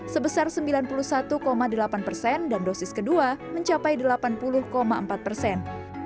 sebesar sembilan puluh satu delapan persen dan dosis kedua mencapai delapan puluh empat persen